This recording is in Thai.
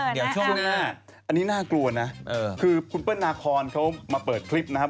เดี๋ยวช่วงหน้าอันนี้น่ากลัวนะคือคุณเปิ้ลนาคอนเขามาเปิดคลิปนะครับ